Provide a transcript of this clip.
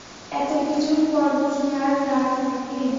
এতোকিছুর পর কি আর রাগ থাকে!